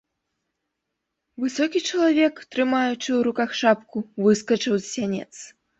Высокі чалавек, трымаючы ў руках шапку, выскачыў з сянец.